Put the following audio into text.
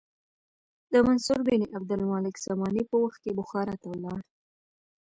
د منصور بن عبدالمالک ساماني په وخت کې بخارا ته لاړ.